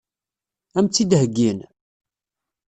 Ad m-tt-id-heggin?